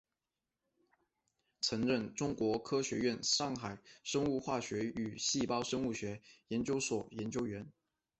曾任中国科学院上海生物化学与细胞生物学研究所研究员。